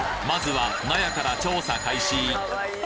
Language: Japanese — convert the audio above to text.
まずは「納屋」から調査開始